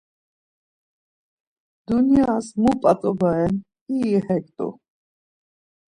Dunyas mu p̌at̆oba ren iri hek t̆u.